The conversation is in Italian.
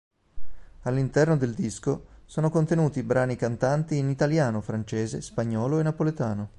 All'interno del disco sono contenuti brani cantanti in italiano, francese, spagnolo e napoletano.